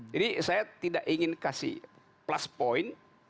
jadi saya tidak ingin kasih plus point